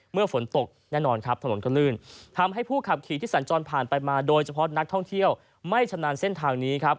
เมื่อฝนตกแน่นอนครับถนนก็ลื่นทำให้ผู้ขับขี่ที่สัญจรผ่านไปมาโดยเฉพาะนักท่องเที่ยวไม่ชำนาญเส้นทางนี้ครับ